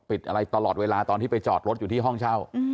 อะไรตลอดเวลาตอนที่ไปจอดรถอยู่ที่ห้องเช่า